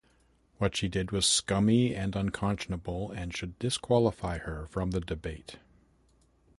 What she did was scummy and unconscionable and should disqualify her from the debate.